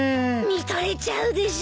見とれちゃうでしょ？